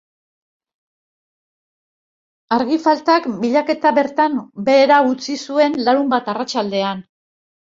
Argi faltak bilaketa bertan behera utzi zuen larunbat arratsaldean.